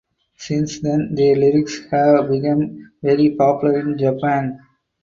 Since then the lyrics have become very popular in Japan.